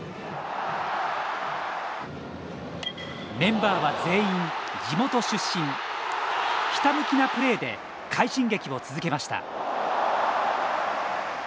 メンバーは全員地元出身ひたむきなプレーで快進撃を続けました。